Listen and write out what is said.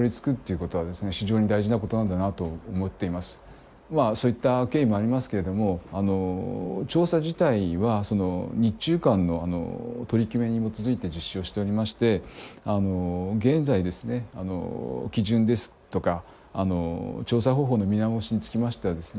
まあそういった経緯もありますけれども調査自体は日中間の取り決めに基づいて実施をしておりまして現在ですね基準ですとか調査方法の見直しにつきましてはですね